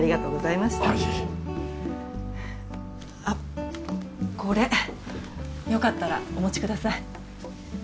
あっこれよかったらお持ちください。